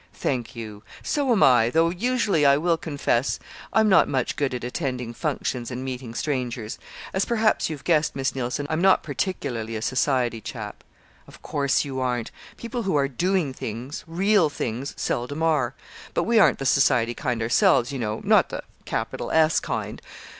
"Thank you; so am I though usually, I will confess, I'm not much good at attending 'functions' and meeting strangers. As perhaps you've guessed, Miss Neilson, I'm not particularly a society chap." "Of course you aren't! People who are doing things real things seldom are. But we aren't the society kind ourselves, you know not the capital S kind.